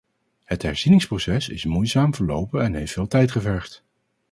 Het herzieningsproces is moeizaam verlopen en heeft veel tijd gevergd.